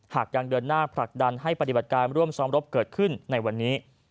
หากยังเดินหน้าผลักดันให้ปฏิบัติการร่วมซ้อมรบเกิดขึ้นในวันนี้